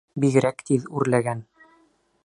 Бигерәк тиҙ үрләгән!